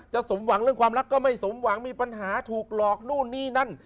สมหวังเรื่องความรักก็ไม่สมหวังมีปัญหาถูกหลอกนู่นนี่นั่น